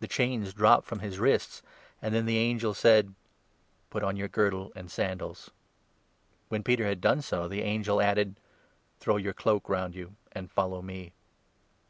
The chains dropped from his wrists, and then the angel said : 8 " Put on your girdle and sandals." When Peter had done so, the angel added: "Throw your cloak round you and follow me."